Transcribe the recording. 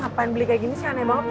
ngapain beli kayak gini sih aneh banget